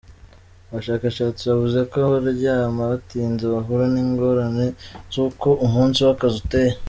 Abashakashatsi bavuze ko abaryama batinze bahura n'"ingorane" z'uko umunsi w'akazi uteye.